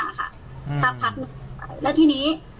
สักพักหนึ่งแล้วทีนี้